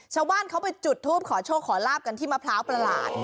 ชาวบ้านเขาไปจุดทูปขอโชคขอลาบกันที่มะพร้าวประหลาด